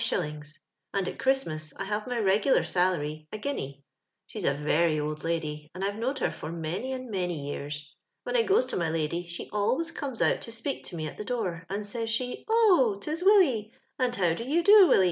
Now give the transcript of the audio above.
and at Chiistmas I have my regular salary, a guinea. She's a very old lady, and I've knowed her for many and many years. When I goes to my lady slio always comes out to speak to mc at the door, and says she, * Oh, 'tis "Willy I and how do you do, Willy?'